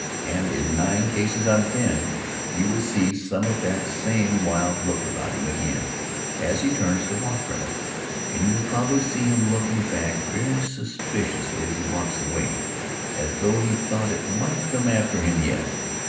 And, in nine cases out of ten, you will see some of that same wild look about him again, as he turns to walk from it. And you will, probably, see him looking back very suspiciously as he walks away, as though he thought it might come after him yet.